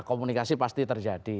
komunikasi pasti terjadi